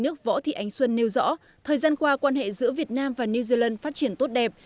nước võ thị ánh xuân nêu rõ thời gian qua quan hệ giữa việt nam và new zealand phát triển tốt đẹp